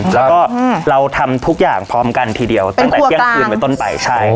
แล้วก็เราทำทุกอย่างพร้อมกันทีเดียวเป็นครัวกลางตั้งแต่เที่ยงคืนไว้ต้นไปใช่ครับ